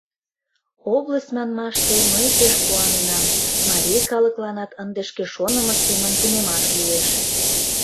Область манмаште, мый пеш куаненам: марий калыкланат ынде шке шонымыж семын тунемаш лиеш.